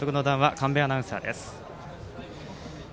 神部アナウンサーです。